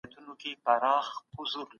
بې فایده وه چي وهله یې زورونه